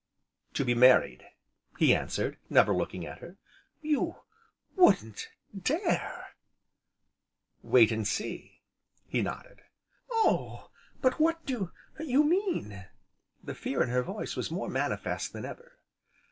"To be married!" he answered, never looking at her. "You wouldn't dare!" "Wait and see!" he nodded. "Oh! but what do you mean?" The fear in her voice was more manifest than ever.